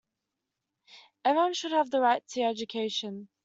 Everyone should have the right to education.